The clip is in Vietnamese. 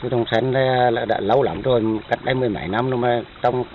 trồng sen đã lâu lắm rồi cách đây mười mảy năm luôn